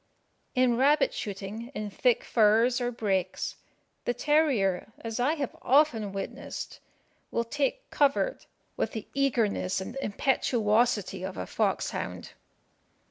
In rabbit shooting in thick furze or breaks, the terrier, as I have often witnessed, will take covert with the eagerness and impetuosity of a foxhound.